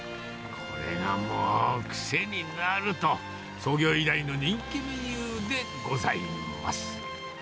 これがもう癖になると、創業以来の人気メニューでございます。